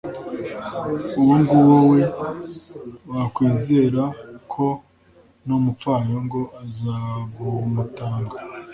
uwo nguwo we, wakwizera ko n'umupfayongo azabumutanga